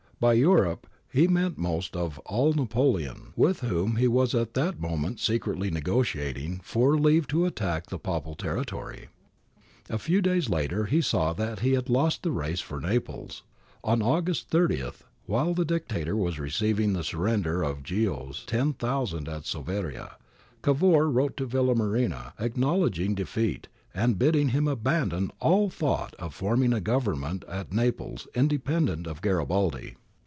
^ By ' Europe ' he meant most of all Napoleon, with whom he was at that moment secretly negotiating for leave to attack the Papal territory. A few days later he saw that he had lost the race for Naples. On August 30, while the Dictator was receiving the surrender of^Ghio's ten thousand at Soveria, Cavour wrote to Villamarina acknowledging defeat and bidding him abandon all thought of forming a Government at Naples independent of Garibaldi.